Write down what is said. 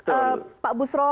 ketika zaman pak bucro